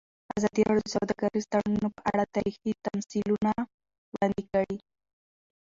ازادي راډیو د سوداګریز تړونونه په اړه تاریخي تمثیلونه وړاندې کړي.